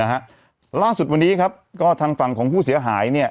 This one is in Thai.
ล่าสุดวันนี้ครับก็ทางฝั่งของผู้เสียหายเนี่ย